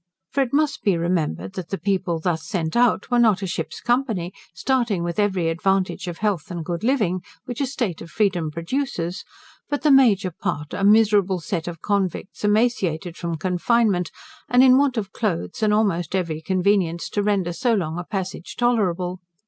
For it must be remembered, that the people thus sent out were not a ship's company starting with every advantage of health and good living, which a state of freedom produces; but the major part a miserable set of convicts, emaciated from confinement, and in want of cloaths, and almost every convenience to render so long a passage tolerable.